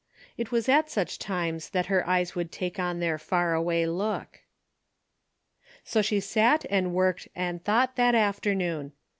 It was at such times that her eyes would take on their far away look. So she sat and worked and thought that afternoon.